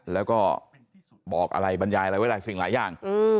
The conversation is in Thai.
แล้วก็บอกอะไรบรรยายอะไรไว้หลายสิ่งหลายอย่าง